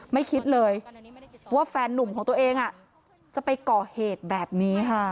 ไม่คิดเลยว่าแฟนนุ่มของตัวเองจะไปก่อเหตุแบบนี้ค่ะ